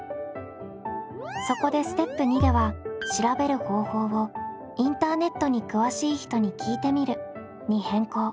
そこでステップ２では調べる方法を「インターネットに詳しい人に聞いてみる」に変更。